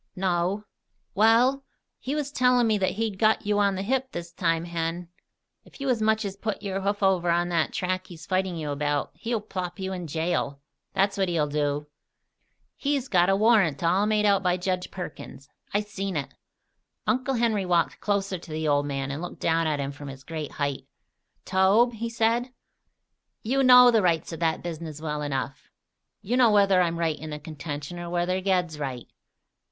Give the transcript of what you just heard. "No." "Wal, he was tellin' me that he'd got you on the hip this time, Hen. If you as much as put your hoof over on that track he's fighting you about, he'll plop you in jail, that's what he'll do! He's got a warrant all made out by Jedge Perkins. I seen it." Uncle Henry walked closer to the old man and looked down at him from his great height. "Tobe," he said, "you know the rights of that business well enough. You know whether I'm right in the contention, or whether Ged's right.